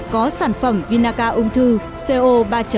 có sản phẩm vinaca ung thư co ba